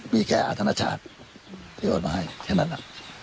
มีแค่อาธนชาติที่โอนมาให้แค่นั้น